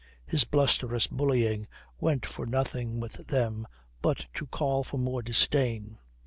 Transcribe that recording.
His blusterous bullying went for nothing with them but to call for more disdain.